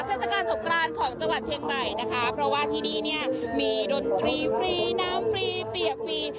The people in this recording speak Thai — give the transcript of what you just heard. เทศกาลสงครานของจังหวัดเชียงใหม่นะคะเพราะว่าที่นี่เนี่ยมีดนตรีฟรีน้ำฟรีเปียกฟรี